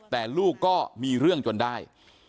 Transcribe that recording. แต่ลูกก็มีเรื่องจนได้